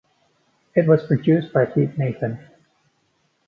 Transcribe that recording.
It was produced by Pete Nathan.